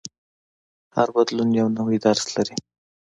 هر بدلون یو نوی درس لري.